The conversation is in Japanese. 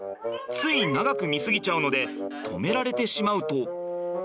つい長く見過ぎちゃうので止められてしまうと。